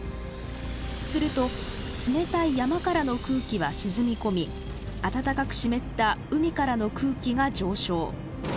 すると冷たい山からの空気は沈み込み温かく湿った海からの空気が上昇。